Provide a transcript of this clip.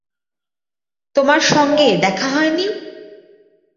তোমার সঙ্গে দেখা হয় নি?